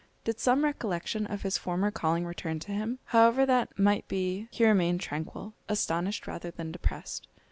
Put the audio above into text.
Did some recollection of his former calling return to him? However that might be he remained tranquil, astonished rather than depressed.